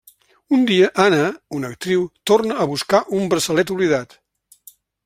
Un dia, Anna, una actriu, torna a buscar un braçalet oblidat.